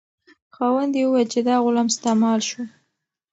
خاوند یې وویل چې دا غلام ستا مال شو.